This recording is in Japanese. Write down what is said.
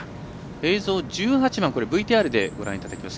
映像１８番、ＶＴＲでご覧いただきます。